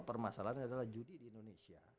permasalahannya adalah judi di indonesia